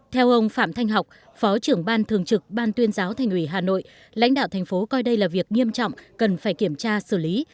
theo ông phạm thanh học phó trưởng ban thường trực ban tuyên giáo thành ủy hà nội lãnh đạo thành phố coi đây là việc nghiêm trọng cần phải kiểm tra xử lý